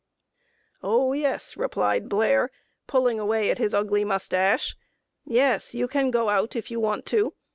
"O yes," replied Blair, pulling away at his ugly mustache, "yes, you can go out if you want to.